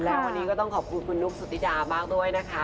แล้ววันนี้ก็ต้องขอบคุณคุณนุ๊กสุธิดามากด้วยนะคะ